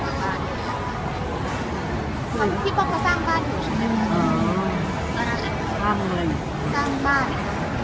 ว่าวันนี้จึงอะไรบ้าง